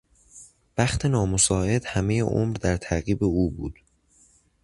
بخت نامساعد همهی عمر در تعقیب او بود.